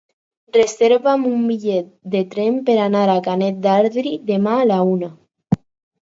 Reserva'm un bitllet de tren per anar a Canet d'Adri demà a la una.